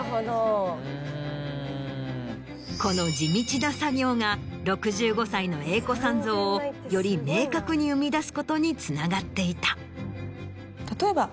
この地道な作業が６５歳のＡ子さん像をより明確に生み出すことにつながっていた。